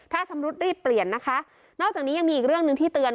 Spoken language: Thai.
ถ้าชำรุดรีบเปลี่ยนนะคะนอกจากนี้ยังมีอีกเรื่องหนึ่งที่เตือน